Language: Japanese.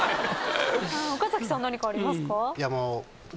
岡崎さん何かありますか？